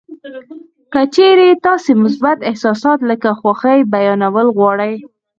که چېرې تاسې مثبت احساسات لکه خوښي بیانول غواړئ